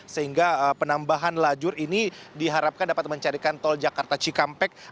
sehingga penambahan lajur ini diharapkan dapat mencarikan tol jakarta cikampek